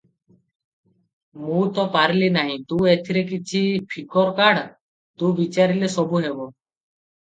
ମୁଁ ତ ପାରିଲି ନାହିଁ ତୁ ଏଥିର କିଛି ଫିକର କାଢ଼, ତୁ ବିଚାରିଲେ ସବୁ ହେବ!